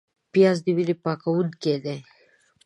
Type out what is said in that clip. پیاز د وینې پاکوونکی دی